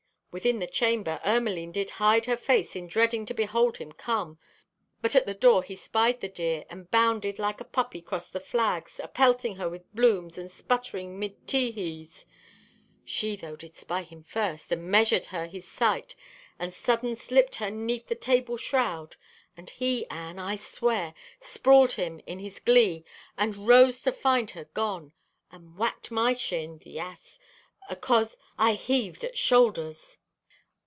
"Within the chamber, Ermaline did hide her face in dreading to behold him come, but at the door he spied the dear and bounded like a puppy 'cross the flags, apelting her with blooms and sputtering 'mid tee hees. She, tho', did spy him first, and measured her his sight and sudden slipped her 'neath the table shroud. And he, Anne, I swear, sprawled him in his glee and rose to find her gone. And whacked my shin, the ass, acause I heaved at shoulders."